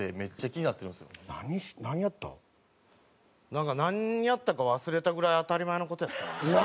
なんかなんやったか忘れたぐらい当たり前の事やったな。